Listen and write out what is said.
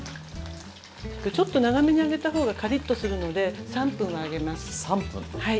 ちょっと長めに揚げた方がカリッとするので３分は揚げます。